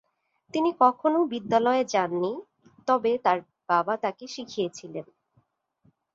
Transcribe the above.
তিনি কখনও বিদ্যালয়ে যান নি, তবে তার বাবা তাকে শিখিয়েছিলেন।